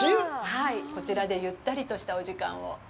はい、こちらでゆったりとしたお時間を。